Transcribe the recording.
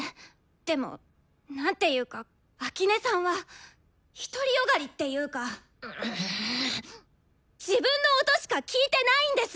でもなんていうか秋音さんは独り善がりっていうか自分の音しか聴いてないんです！